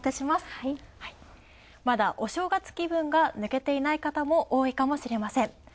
まだお正月気分が抜けていない方も多いかもしれません。